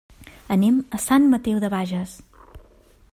Anem a Sant Mateu de Bages.